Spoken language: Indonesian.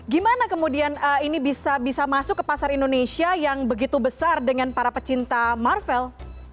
gimana kemudian ini bisa masuk ke pasar indonesia yang begitu besar dengan para pecinta marvel